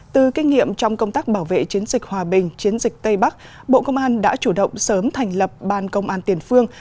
từ kinh nghiệm trong công tác bảo vệ chiến dịch hòa bình chiến dịch tây bắc bộ công an đã chủ động sớm thành lập ban công an tiền phương